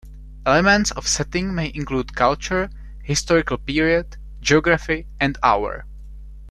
Elements of setting may include culture, historical period, geography, and hour.